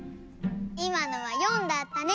いまのは４だったね。